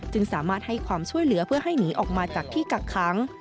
สามารถให้ความช่วยเหลือเพื่อให้หนีออกมาจากที่กักค้าง